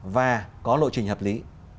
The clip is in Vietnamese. và có lộ trình hợp lý